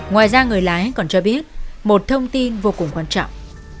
ngoài ra người lái còn cho biết một thông tin vô cùng quan trọng